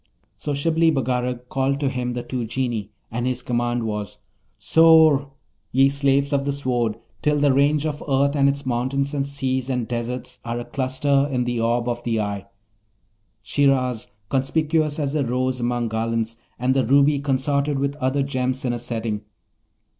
So Shibli Bagarag called to him the two Genii, and his command was, 'Soar, ye slaves of the Sword, till the range of earth and its mountains and seas and deserts are a cluster in the orb of the eye, Shiraz conspicuous as a rose among garlands, and the ruby consorted with other gems in a setting.